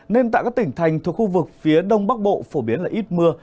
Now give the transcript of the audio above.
nên tại các tỉnh thành thuộc khu vực phía đông bắc bộ phổ biến là ít mưa